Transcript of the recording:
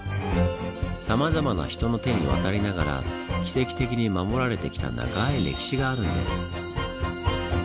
さまざまな人の手に渡りながら奇跡的に守られてきた長い歴史があるんです。